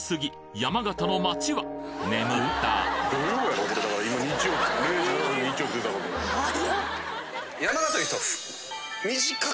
山形の人は。